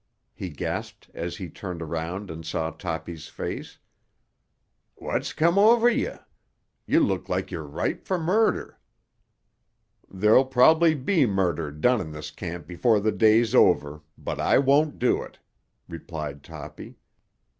he gasped as he turned around and saw Toppy's face. "What's come o'er ye? You look like you're ripe for murder." "There'll probably be murder done in this camp before the day's over, but I won't do it," replied Toppy.